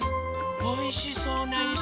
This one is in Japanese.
おいしそうないし。